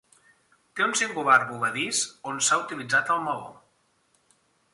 Té un singular voladís on s'ha utilitzat el maó.